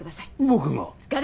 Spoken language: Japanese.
僕が？